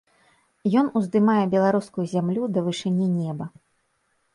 Ён уздымае беларускую зямлю да вышыні неба.